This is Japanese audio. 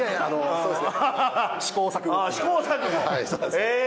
そうです。